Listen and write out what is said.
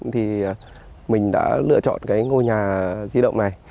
thì mình đã lựa chọn cái ngôi nhà di động này